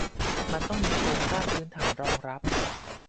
มันต้องมีโครงสร้างพื้นฐานรองรับ